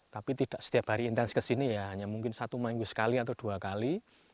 tapi tidak setiap hari intens kesini ya hanya mungkin satu minggu sekali atau dua kali